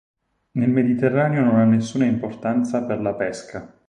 Nel Mediterraneo non ha nessuna importanza per la pesca.